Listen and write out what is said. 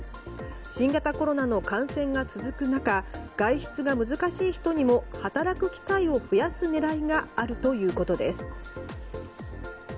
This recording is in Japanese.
新型コロナの感染が続く中外出が難しい人にも働く機会を増やす狙いがあるということです。